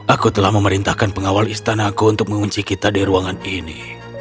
aku telah memerintahkan pengawal istanaku untuk mengunci kita di ruangan ini